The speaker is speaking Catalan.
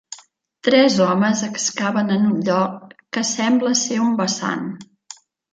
Tres homes excaven en un lloc que sembla ser un vessant.